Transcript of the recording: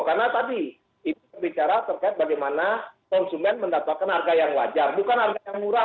karena tadi ini bicara terkait bagaimana konsumen mendapatkan harga yang wajar bukan harga yang murah pak ya tapi harga yang wajar